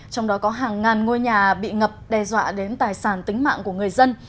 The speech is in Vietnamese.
trong đó có hàng ngàn ngôi nhà bị ngập đe dọa đến tài sản tính mạng của người dân